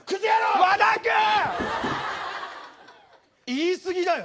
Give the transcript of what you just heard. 言い過ぎだよ。